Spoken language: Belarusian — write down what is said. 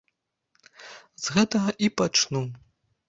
З гэтага і пачну.